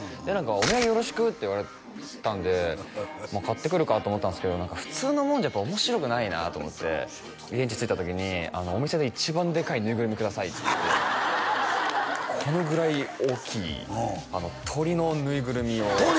「お土産よろしく」って言われたんでまあ買ってくるかと思ったんですけど普通のものじゃ面白くないなと思って現地着いた時に「お店で一番でかいぬいぐるみください」って言ってこのぐらい大きい鳥のぬいぐるみを鳥！？